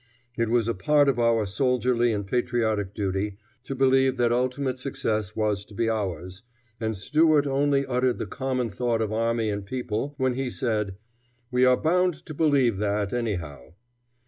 It was a part of our soldierly and patriotic duty to believe that ultimate success was to be ours, and Stuart only uttered the common thought of army and people, when he said, "We are bound to believe that, anyhow."